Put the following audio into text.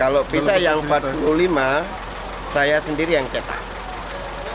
kalau bisa yang empat puluh lima saya sendiri yang cetak